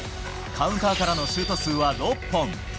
カウンターからのシュート数は６本。